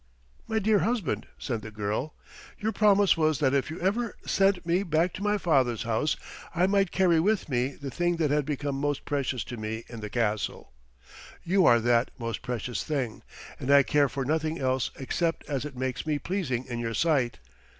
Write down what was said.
"My dear husband," said the girl, "your promise was that if you ever sent me back to my father's house I might carry with me the thing that had become most precious to me in the castle. You are that most precious thing, and I care for nothing else except as it makes me pleasing in your sight."